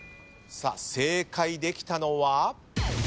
正解できたのは？